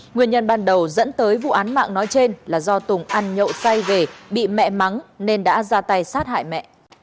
nguyên nhân ban đầu dẫn tới vụ án mạng nói trên là do tùng ăn nhậu say về bị mẹ mắng nên đã ra tay sát hại mẹ